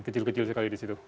kecil kecil sekali di situ